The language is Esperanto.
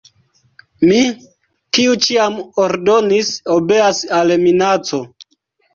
Mi, kiu ĉiam ordonis, obeas al minaco.